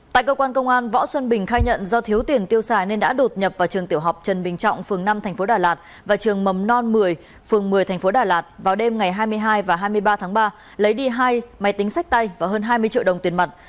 tại cơ quan công an võ xuân bình khai nhận do thiếu tiền tiêu xài nên đã đột nhập vào trường tiểu học trần bình trọng phường năm tp đà lạt và trường mầm non một mươi phường một mươi tp đà lạt vào đêm ngày hai mươi hai và hai mươi ba tháng ba lấy đi hai máy tính sách tay và hơn hai mươi triệu đồng tiền mặt